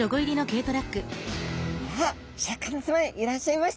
あっシャーク香音さまいらっしゃいました。